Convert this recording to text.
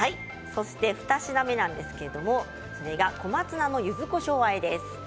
２品目が小松菜のゆずこしょうあえです。